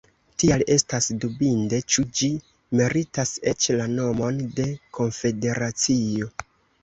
Tial estas dubinde, ĉu ĝi meritas eĉ la nomon de konfederacio.